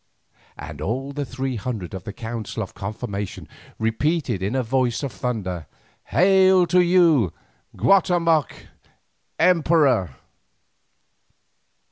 And all the three hundred of the council of confirmation repeated in a voice of thunder, "Hail to you, Guatemoc, Emperor!"